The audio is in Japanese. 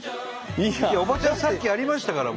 おばちゃんさっきやりましたから。